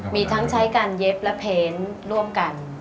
มีทั้งใช้การเย็บและเพ้นร่วมกัน